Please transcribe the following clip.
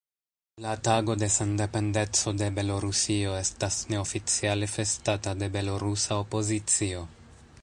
La tago de sendependeco de Belorusio estas neoficiale festata de belorusa opozicio.